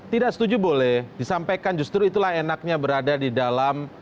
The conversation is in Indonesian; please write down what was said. tidak setuju boleh disampaikan justru itulah enaknya berada di dalam